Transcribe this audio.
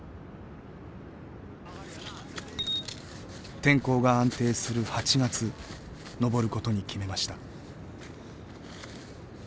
天候が安定する８月登ることに決めました。